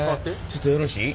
ちょっとよろしい？